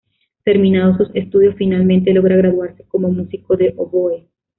Terminados sus estudios finalmente logra graduarse como músico de oboe.